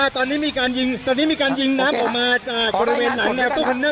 ทางกลุ่มมวลชนทะลุฟ้าทางกลุ่มมวลชนทะลุฟ้า